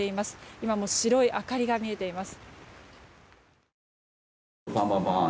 今も白い明かりが見えています。